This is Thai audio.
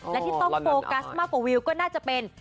และที่ต้องโฟกัสมากกว่าวิวก็น่าจะเป็น